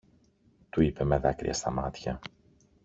του είπε με δάκρυα στα μάτια.